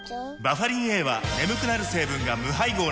バファリンＡは眠くなる成分が無配合なんです